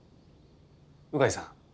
鵜飼さん